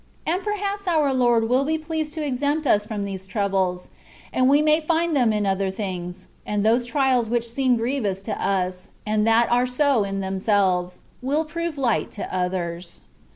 And perhaps our Lord will be pleased to exempt us from these troubles, and we may find them in other things, and those trials which seem grievous to us, and that are so in themselves, will prove light to others.